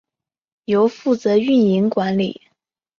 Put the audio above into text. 由负责运营管理。